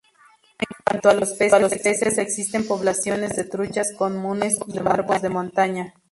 En cuanto a los peces, existen poblaciones de truchas comunes y barbos de montaña.